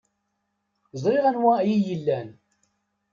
Ẓriɣ anwa ay iyi-ilan.